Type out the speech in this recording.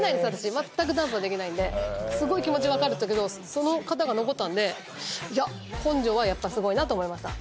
まったくダンスはできないんですごい気持ちわかったけどその方が残ったんでいや根性はやっぱすごいなと思いました。